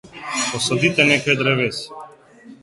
Posadite nekaj dreves.